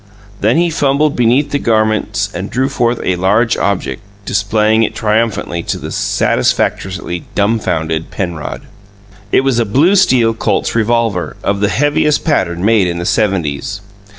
Then he fumbled beneath the garments and drew forth a large object, displaying it triumphantly to the satisfactorily dumfounded Penrod. It was a blue steel Colt's revolver, of the heaviest pattern made in the Seventies.